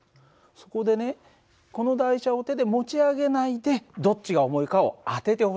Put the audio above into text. そこでねこの台車を手で持ち上げないでどっちが重いかを当ててほしいの。